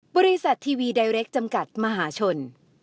บริษัททีวีไดเรคจำกัดมหาชน